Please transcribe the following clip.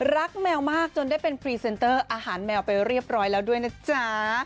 แมวมากจนได้เป็นพรีเซนเตอร์อาหารแมวไปเรียบร้อยแล้วด้วยนะจ๊ะ